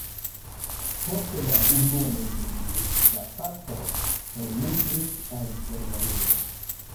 Post la Unua mondmilito, la patro elmigris al Germanio.